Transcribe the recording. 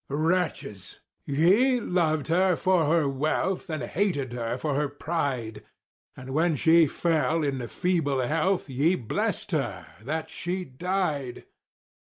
"Wretches! ye loved her for her wealth and hated her for her pride, And when she fell in feeble health, ye blessed her—that she died!